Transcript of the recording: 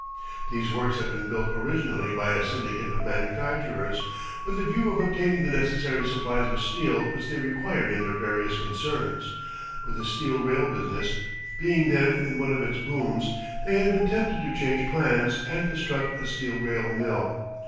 These works had been built originally by a syndicate of manufacturers, with the view of obtaining the necessary supplies of steel which they required in their various concerns, but the steel rail business, being then in one of its booms, they had been tempted to change plans and construct a steel rail mill.